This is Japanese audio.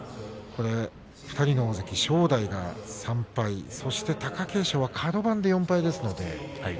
２人の大関、正代が３敗そして貴景勝カド番で４敗です。